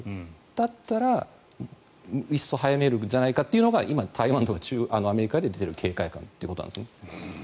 だったらいっそ早めるんじゃないかというのが今の台湾とかアメリカで出ている警戒感です。